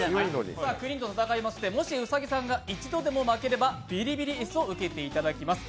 ９人と戦いまして、もし兎さんが一度でも負ければビリビリ椅子を受けていただきます。